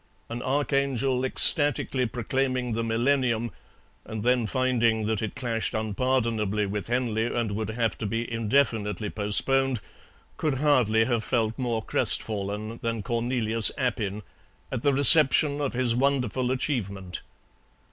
An archangel ecstatically proclaiming the Millennium, and then finding that it clashed unpardonably with Henley and would have to be indefinitely postponed, could hardly have felt more crestfallen than Cornelius Appin at the reception of his wonderful achievement.